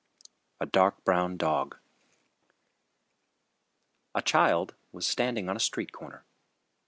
A DARK BROWN DOG A child was standing on a street corner.